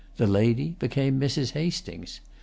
The lady became Mrs. Hastings.